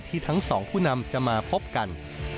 ทั้งสองผู้นำจะมาพบกัน